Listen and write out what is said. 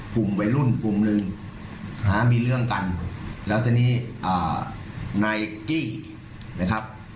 กลุ่มวัยรุ่นกลุ่มหนึ่งนะฮะมีเรื่องกันแล้วทีนี้อ่านายกี้นะครับ